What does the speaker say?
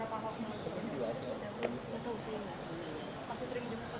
mako kan yang izinnya kan dari cipinang